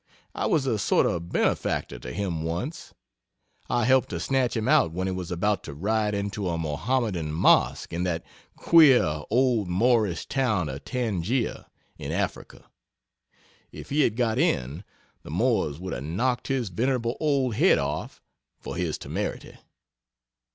I was a sort of benefactor to him once. I helped to snatch him out when he was about to ride into a Mohammedan Mosque in that queer old Moorish town of Tangier, in Africa. If he had got in, the Moors would have knocked his venerable old head off, for his temerity.